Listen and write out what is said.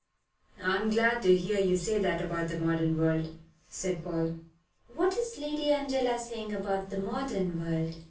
"I'm glad to hear you say that about the modern world," said Paul. "What is Lady Angela saying about the modern world?"